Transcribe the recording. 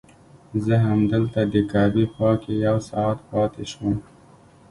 زه همدلته د کعبې خوا کې یو ساعت پاتې شوم.